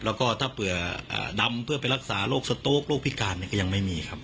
แล้วก็ถ้าเผื่อดำเพื่อไปรักษาโรคสตู๊กโรคพิการก็ยังไม่มีครับ